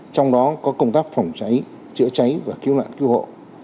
trong đó có công tác phòng cháy chữa cháy và cứu nạn cứu hộ